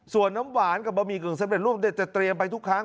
ส่วนน้ำหวานกับบะหมี่กึ่งสำเร็จรูปจะเตรียมไปทุกครั้ง